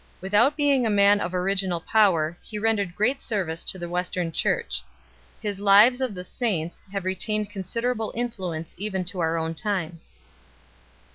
Without being a man of original power he rendered great service to the Western Church. His Lives of the Saints have retained considerable influence even to our own time.